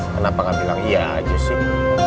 kenapa nggak bilang iya aja sih